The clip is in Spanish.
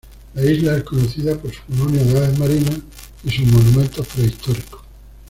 La isla es conocida por su colonia de aves marinas y sus monumentos prehistóricos.